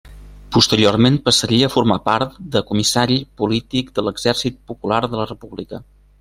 Posteriorment passaria a formar part de comissari polític de l'Exèrcit Popular de la República.